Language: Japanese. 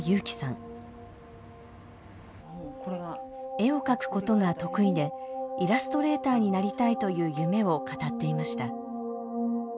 絵を描くことが得意でイラストレーターになりたいという夢を語っていました。